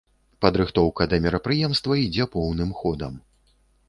Падрыхтоўка да мерапрыемства ідзе поўным ходам.